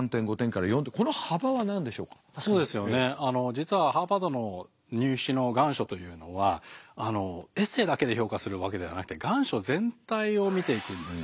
実はハーバードの入試の願書というのはエッセーだけで評価するわけではなくて願書全体を見ていくんですよね。